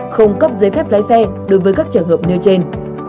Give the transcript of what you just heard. không cấp giấy phép lái xe đối với các trường hợp nêu trên